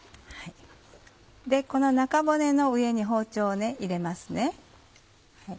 この中骨の上に包丁を入れます。